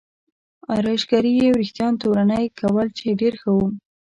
ارایشګرې یې وریښتان تورنۍ کول چې ډېر ښه و.